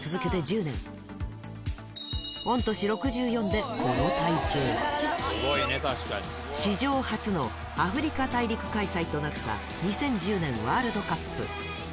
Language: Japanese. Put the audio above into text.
でこの体形史上初のアフリカ大陸開催となった２０１０年ワールドカップ